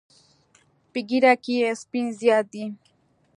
په ږیره کې یې سپین زیات دي.